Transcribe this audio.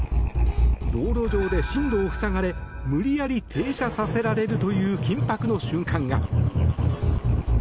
道路上で進路を塞がれ無理やり停車させられるという緊迫の瞬間が。